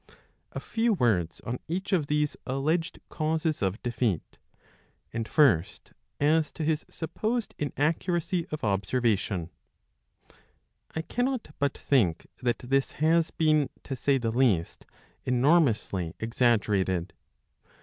A few words on each of these alleged causes of defeat ; and, first, as to his supposed inaccuracy of observa tion. I cannot but think that this has been, to say the least, enormously exaggerated.